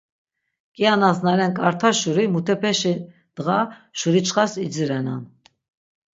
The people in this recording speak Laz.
Kianas na ren k̆arta şuri, mutepeşi dğa şuriçxas idzirenan.